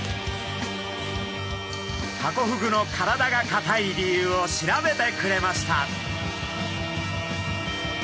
ハコフグの体がかたい理由を調べてくれました。